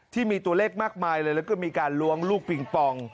ที่มีตัวเลขมากมายเลยแล้วก็มีการล้วงลูกปิงปอง